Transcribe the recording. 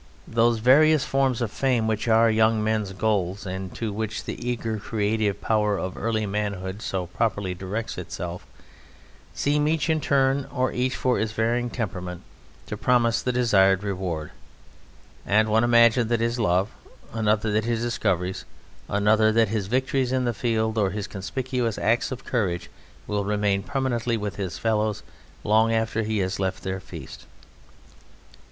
Those various forms of fame which are young men's goals, and to which the eager creative power of early manhood so properly directs itself, seem each in turn or each for its varying temperament to promise the desired reward; and one imagines that his love, another that his discoveries, another that his victories in the field or his conspicuous acts of courage will remain permanently with his fellows long after he has left their feast.